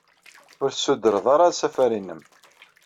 Ur tessudred ara asafar-nnem.